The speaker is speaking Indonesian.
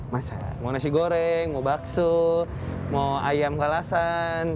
masa mau nasi goreng mau bakso mau ayam kalasan